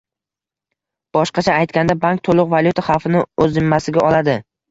Boshqacha aytganda, bank to'liq valyuta xavfini o'z zimmasiga oladi